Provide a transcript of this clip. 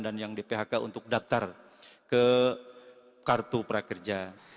dan yang di phk untuk daftar ke kartu prakerja